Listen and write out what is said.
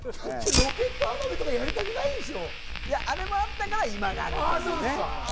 ロケット花火とか、やりたくあれもあったから今がある。